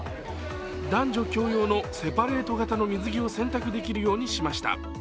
男女共用のセパレート型の水着を選択できるようにしました。